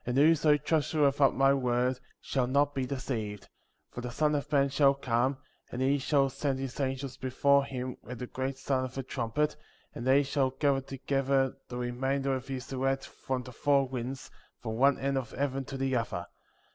And whoso treasureth up my word, shall not be deceived, for the Son of Man shall come, and he shall send his angels before him with the great sound of a trumpet, and they shall gather together the remainder of his elect from the four winds, from one end of heaven to the other.